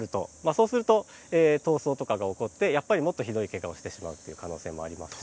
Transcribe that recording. そうすると闘争とかが起こってもっとひどいケガをしてしまうっていう可能性もありますね。